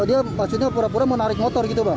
oh dia maksudnya pura pura menarik motor gitu bang